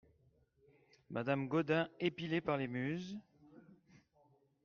Madame Gaudin Épilé par les muses !